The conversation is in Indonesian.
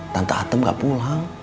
tante atem gak pulang